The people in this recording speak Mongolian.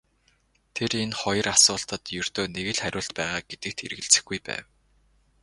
Тэр энэ хоёр асуултад ердөө нэг л хариулт байгаа гэдэгт эргэлзэхгүй байв.